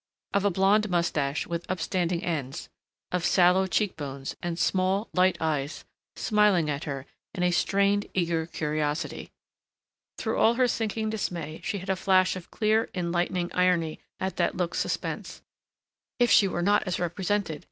of a blond mustache with upstanding ends ... of sallow cheek bones and small, light eyes smiling at her in a strained, eager curiosity.... Through all her sinking dismay she had a flash of clear, enlightening irony at that look's suspense. If she were not as represented!